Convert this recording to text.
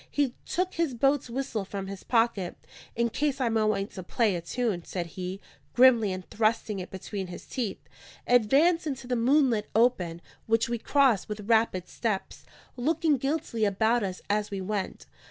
He took his boat's whistle from his pocket. "In case I might want to play a tune," said he, grimly, and thrusting it between his teeth, advanced into the moonlit open; which we crossed with rapid steps, looking guiltily about us as we went.